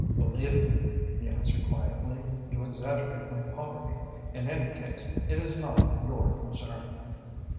"Believe me," he answered quietly, "you exaggerate my poverty. In any case, it is not your concern."